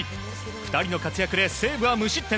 ２人の活躍で西武は無失点。